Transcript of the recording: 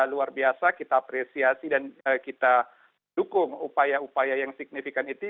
luar biasa kita apresiasi dan kita dukung upaya upaya yang signifikan itu